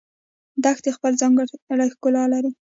دښتې خپل ځانګړی ښکلا لري